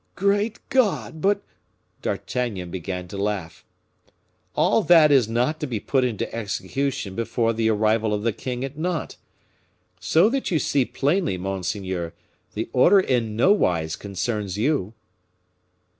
"Great God! but " D'Artagnan began to laugh. "All that is not to be put into execution before the arrival of the king at Nantes. So that you see plainly, monseigneur, the order in nowise concerns you."